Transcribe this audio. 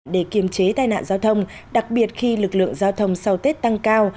để kiềm chế tai nạn giao thông đặc biệt khi lực lượng giao thông sau tết tăng cao